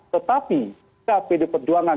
tetapi saat pd perjuangan